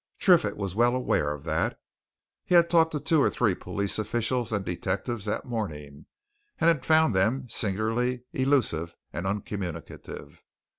Triffitt was well aware of that. He had talked to two or three police officials and detectives that morning, and had found them singularly elusive and uncommunicative.